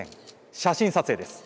写真撮影です。